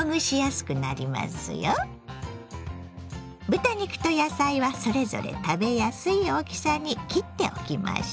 豚肉と野菜はそれぞれ食べやすい大きさに切っておきましょう。